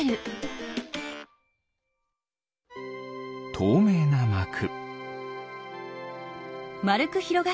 とうめいなまく。